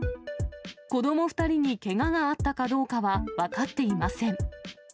子ども２人にけががあったかどうかは分かっていません。